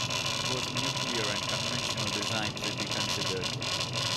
Both nuclear and conventional designs would be considered.